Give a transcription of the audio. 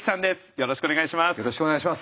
よろしくお願いします。